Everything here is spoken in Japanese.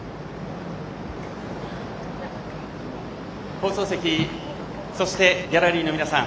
放送席そしてギャラリーの皆さん。